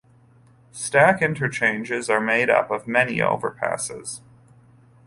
Stack interchanges are made up of many overpasses.